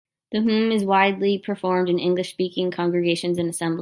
The hymn is widely performed in English-speaking congregations and assemblies.